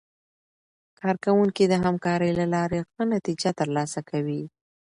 کارکوونکي د همکارۍ له لارې ښه نتیجه ترلاسه کوي